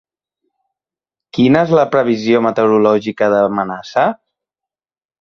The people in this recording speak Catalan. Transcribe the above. Quina és la previsió meteorològica de Manassa?